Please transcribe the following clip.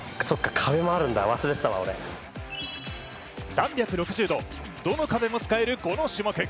３６０度どの壁も使えるこの種目。